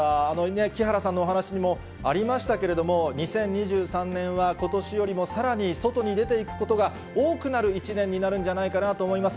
木原さんのお話しにもありましたけれども、２０２３年は、ことしよりもさらに外に出ていくことが多くなる１年になるんじゃないかなと思います。